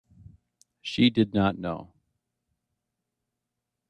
She did not know.